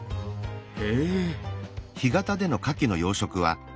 へえ！